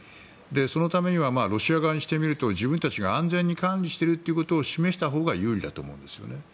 そのためにはロシア側にしてみると自分たちが安全に管理していると示したほうが有利だと思うんですよね。